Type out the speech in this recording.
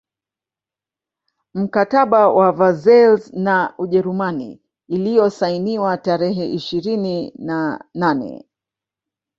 Mkataba wa Versailles na Ujerumani uliosainiwa tarehe ishirini na nae